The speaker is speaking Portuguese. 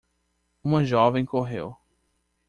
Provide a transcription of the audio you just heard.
uma jovem correu